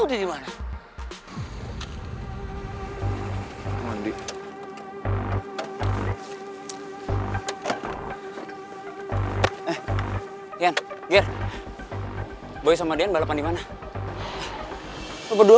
ini kayaknya jalan tanjung deh